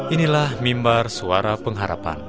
inilah mimbar suara pengharapan